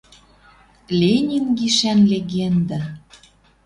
ЛЕНИН ГИШӒН ЛЕГЕНДА